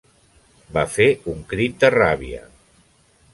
Va fer un crit de ràbia.